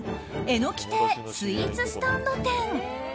えの木ていスイーツスタンド店。